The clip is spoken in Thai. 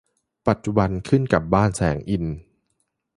ปัจจุบันขึ้นกับบ้านแสงอินทร์